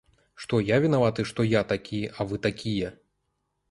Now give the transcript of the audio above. Што я вінаваты, што я такі, а вы такія?